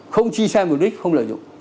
không chi sai mục đích không lợi dụng